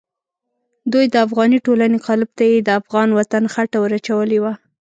دوی د افغاني ټولنې قالب ته یې د افغان وطن خټه ور اچولې وه.